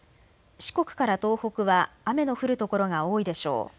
四国から東北は雨の降る所が多いでしょう。